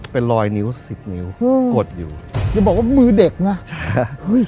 เป็นรอยนิ้วสิบนิ้วอืมกดอยู่อย่าบอกว่ามือเด็กนะใช่เฮ้ย